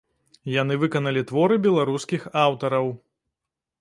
Яны выканалі творы беларускіх аўтараў.